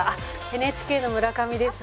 ＮＨＫの村上です。